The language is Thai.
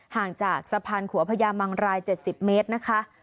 ห่างจากสะพานขวพญามังรายเจ็ดสิบเมตรนะคะ